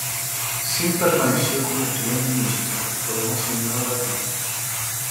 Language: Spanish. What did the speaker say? Zinn permaneció como primer ministro y formó su nuevo gabinete.